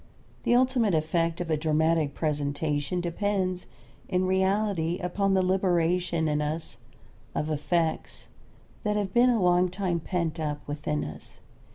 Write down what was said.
The ultimate effect of a dramatic presentation depends, in reality, upon the liberation in us of affects that have been a long time pent up within us.